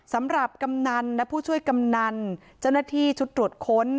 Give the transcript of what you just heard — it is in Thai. กำนันและผู้ช่วยกำนันเจ้าหน้าที่ชุดตรวจค้น